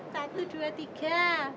satu dua tiga